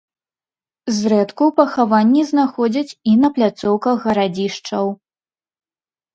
Зрэдку пахаванні знаходзяць і на пляцоўках гарадзішчаў.